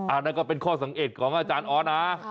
นั่นก็เป็นข้อสังเกตของอาจารย์ออสนะ